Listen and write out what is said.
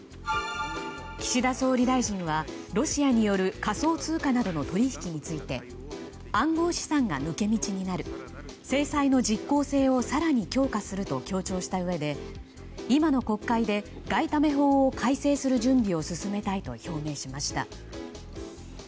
岸田総理大臣はロシアによる仮想通貨などの取引について暗号資産が抜け道になる制裁の実効性を更に強化すると強調したうえで今の国会で外為法を改正する準備を進めたいと表明しました。